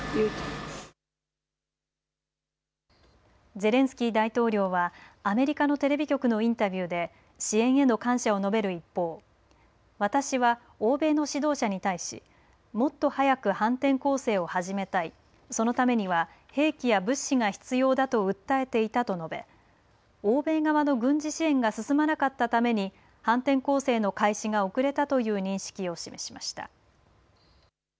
ゼレンスキー大統領はアメリカのテレビ局のインタビューで支援への感謝を述べる一方私は欧米の指導者に対しもっと早く反転攻勢を始めたいそのためには兵器や物資が必要だと訴えていたと述べ欧米側の軍事支援が進まなかったために反転攻勢の開始が遅れたという認識を示しました。